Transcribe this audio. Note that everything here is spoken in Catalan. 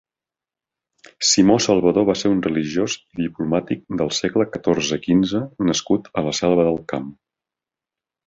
Simó Salvador va ser un religiós i diplomàtic del segle catorze-quinze nascut a la Selva del Camp.